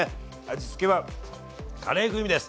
味付けはカレー風味です。